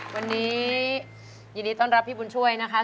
วันนี้ยินดีต้อนรับพี่บุญช่วยนะคะ